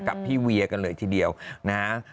กับพี่เวียกันเลยทีเดียวนะฮะ